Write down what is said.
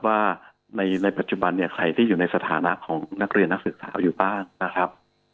ว่าในปัจจุบันเนี่ยใครที่อยู่ในสถานะของนักเรียนนักศึกษาอยู่บ้างนะครับ